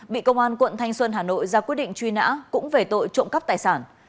bị công an quận thanh xuân hà nội ra quyết định truy nã cũng về tội trộm cắp tài sản